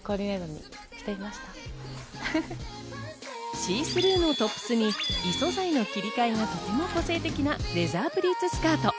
シースルーのトップスに異素材の切り替えがとても個性的なレーザープリーツスカート。